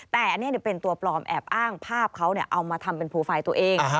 แต่อันนี้เป็นตัวปลอมแอบอ้างภาพเขาเอามาทำเป็นโปรไฟล์ตัวเอง